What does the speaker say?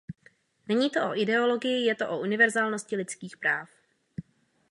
Není to o ideologii, je to o univerzálnosti lidských práv.